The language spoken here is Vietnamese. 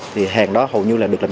thì hàng đó hầu như là được làm giả